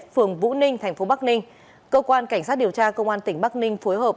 phường vũ ninh tp bắc ninh cơ quan cảnh sát điều tra công an tỉnh bắc ninh phối hợp